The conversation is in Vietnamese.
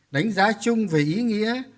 đánh giá chung về ý nghĩa